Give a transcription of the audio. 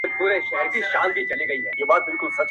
خدایه د شپېتو بړېڅو ټولي سوې کمبلي-